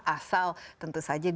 asal tentu saja di dunia